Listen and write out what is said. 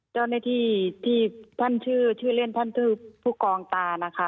เจ้าหน้าที่ที่ท่านชื่อชื่อเล่นท่านชื่อผู้กองตานะคะ